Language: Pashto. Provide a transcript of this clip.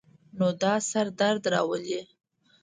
نو دا سر درد راولی